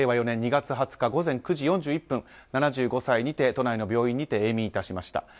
４年２月２０日午前９時４１分７５歳にて都内の病院にて永眠致しました。